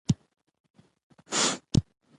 بل وخت به پر دې موضوع لا زیات بحث وکړو.